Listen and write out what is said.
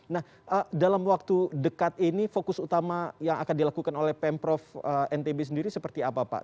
nah dalam waktu dekat ini fokus utama yang akan dilakukan oleh pemprov ntb sendiri seperti apa pak